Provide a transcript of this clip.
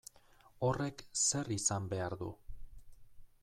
Horrek zer izan behar du?